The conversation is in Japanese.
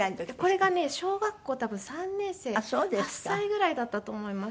これがね小学校多分３年生８歳ぐらいだったと思います。